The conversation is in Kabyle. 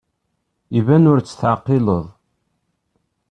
Iban ur tt-teɛqileḍ.